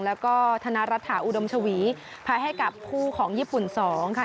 แล้วก็ธนรัฐาอุดมชวีแพ้ให้กับคู่ของญี่ปุ่น๒ค่ะ